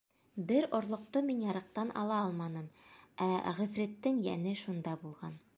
Бер орлоҡто мин ярыҡтан ала алманым, ә ғифриттең йәне шунда булған.